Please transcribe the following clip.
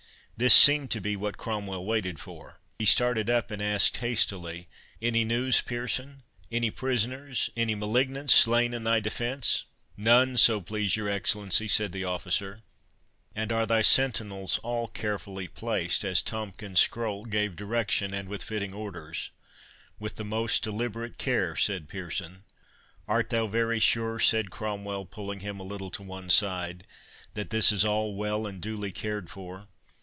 This seemed to be what Cromwell waited for. He started up, and asked hastily, "Any news, Pearson? any prisoners—any malignants slain in thy defence?" "None, so please your Excellency," said the officer. "And are thy sentinels all carefully placed, as Tomkins' scroll gave direction, and with fitting orders?" "With the most deliberate care," said Pearson. "Art thou very sure," said Cromwell, pulling him a little to one side, "that this is all well and duly cared for?